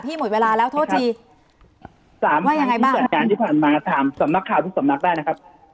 ทุกคนค่ะสามมั่งที่ส่งถ่ายพี่หมดเวลาแล้วโทษที